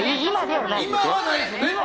今は全くないです。